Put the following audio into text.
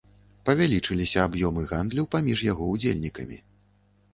Павялічыліся аб'ёмы гандлю паміж яго ўдзельнікамі.